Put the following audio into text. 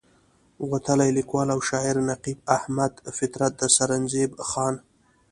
وتلے ليکوال او شاعر نقيب احمد فطرت د سرنزېب خان